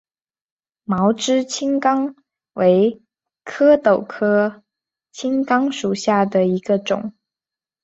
毛枝青冈为壳斗科青冈属下的一个种。